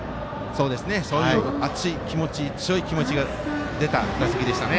熱い気持ち強い気持ちが出た打席でしたね。